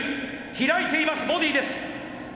開いていますボディーです！